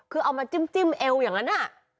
คือเอามาจิ้มเอวอย่างนั้น